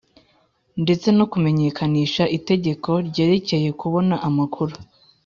ndetse no kumenyekanisha itegeko ryerekeye kubona amakuru